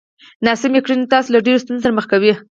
ناسمې کړنې تاسو له ډېرو ستونزو سره مخ کوي!